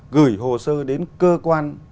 gửi hồ sơ đến cơ quan